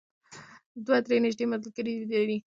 دوی درې نژدې مسلمان ملګري لري.